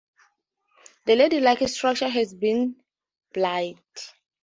The Lady Luck structure has been a blight.